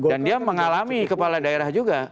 dan dia mengalami kepala daerah juga